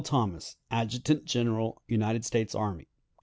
Thomas, Adjutant General United States Army_.